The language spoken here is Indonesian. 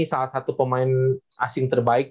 salah satu pemain asing terbaik